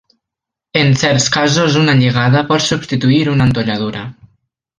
En certs casos una lligada pot substituir una entolladura.